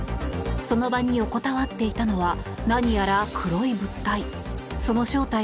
その場に横たわっていたのは何やら黒い物体。